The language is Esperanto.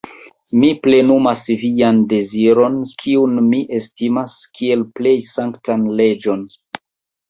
Mi plenumas vian deziron, kiun mi estimas, kiel plej sanktan leĝon.